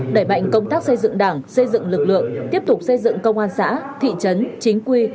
đẩy mạnh công tác xây dựng đảng xây dựng lực lượng tiếp tục xây dựng công an xã thị trấn chính quy